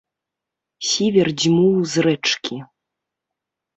Сівер дзьмуў з рэчкі.